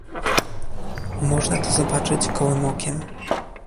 Można to zobaczyć gołym okiem